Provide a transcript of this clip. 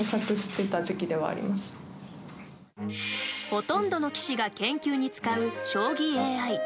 ほとんどの棋士が研究に使う将棋ＡＩ。